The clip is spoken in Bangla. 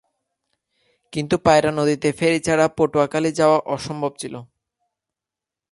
কিন্তু পায়রা নদীতে ফেরি ছাড়া পটুয়াখালী যাওয়া অসম্ভব ছিলো।